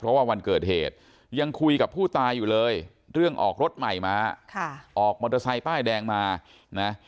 เพราะว่าวันเกิดเหตุยังคุยกับผู้ตายอยู่เลยเรื่องออกรถใหม่มาออกมอเตอร์ไซค์ป้ายแดงมานะ